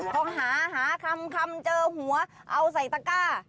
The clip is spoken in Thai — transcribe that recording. พอหาหาคำเจอหัวเอาใส่ตะก้า